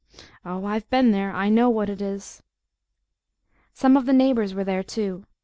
Oh, I've been there! I know what it is! Some of the neighbors were there, too.